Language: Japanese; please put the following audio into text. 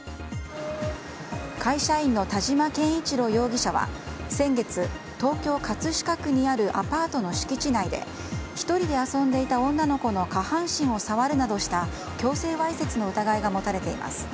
会社員の田島憲一郎容疑者は先月、東京・葛飾区にあるアパートの敷地内で１人で遊んでいた女の子の下半身を触るなどした強制わいせつの疑いが持たれています。